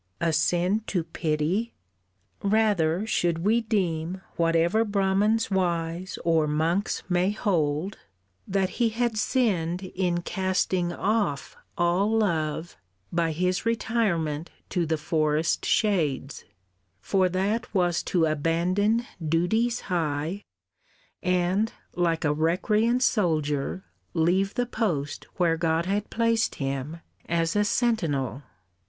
A sin to pity! Rather should we deem Whatever Brahmans wise, or monks may hold, That he had sinned in casting off all love By his retirement to the forest shades; For that was to abandon duties high, And, like a recreant soldier, leave the post Where God had placed him as a sentinel.